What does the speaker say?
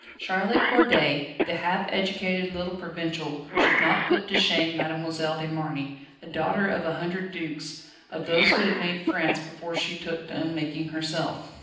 Charlotte Corday, the half educated little provincial should not put to shame Mademoiselle de Marny, the daughter of a hundred dukes, of those who had made France before she took to unmaking herself.